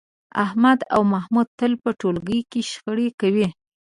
احمد او محمود تل په ټولګي کې شخړې کوي.